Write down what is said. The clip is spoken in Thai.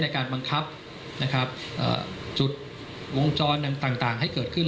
ในการบังคับจุดวงจรต่างให้เกิดขึ้น